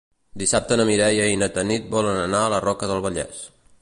Dissabte na Mireia i na Tanit volen anar a la Roca del Vallès.